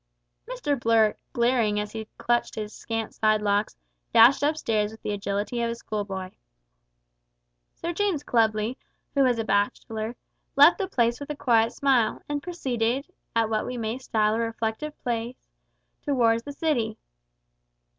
Mr Blurt, glaring as he clutched his scant side locks, dashed up stairs with the agility of a schoolboy. Sir James Clubley, who was a bachelor, left the place with a quiet smile, and proceeded, at what we may style a reflective pace, towards the City.